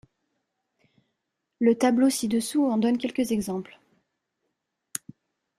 Le tableau ci-dessous en donne quelques exemples.